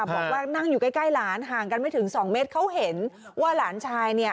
บอกว่านั่งอยู่ใกล้หลานห่างกันไม่ถึง๒เมตรเขาเห็นว่าหลานชายเนี่ย